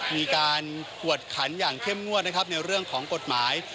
มีการกวดขันอย่างเข้มงวดนะครับในเรื่องของกฎหมาย